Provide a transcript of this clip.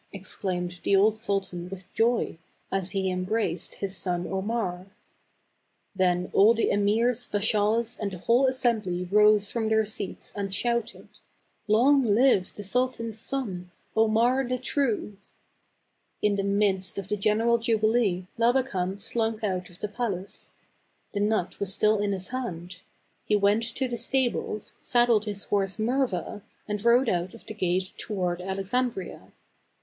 " exclaimed the old sultan with joy, as he embraced his son Omar. Then all the emirs, bashaws, and the whole assembly rose from their seats and shouted, " Long live the sultan's son, Omar the true !" In the midst of the general jubilee Labakan slunk out of the palace. The nut was still in his hand. He went to the stables, saddled his horse Murva, and rode out of the gate toward Alexan dria.